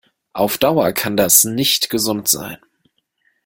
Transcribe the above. Auf Dauer kann das nicht gesund sein.